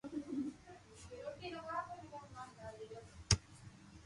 تو ڪوڙ ڪري ھي